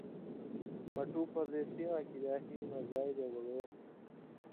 ”مٹُو پردیسی واں کریا ہی مہ زائ دگلے